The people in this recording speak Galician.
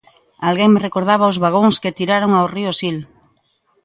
Alguén me recordaba os vagóns que tiraron ao río Sil.